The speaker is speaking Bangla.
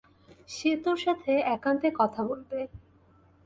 সে তোর সাথে একান্তে কথা বলবে।